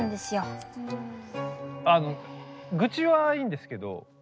あのグチはいいんですけど。